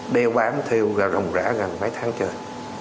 đeo bán thêu ra rồng rã gần mấy tháng trời